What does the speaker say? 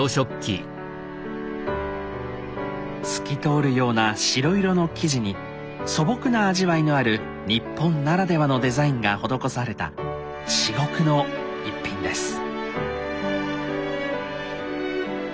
透き通るような白色の生地に素朴な味わいのある日本ならではのデザインが施された至極の逸品です。